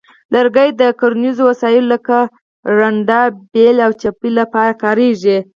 لرګي د کرنیزو وسایلو لکه رنده، بیل، او چپې لپاره هم کارېږي.